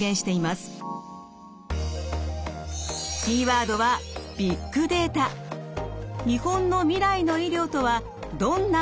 キーワードは日本の未来の医療とはどんなものなのか？